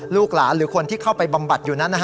ลูกหลานหรือคนที่เข้าไปบำบัดอยู่นั้น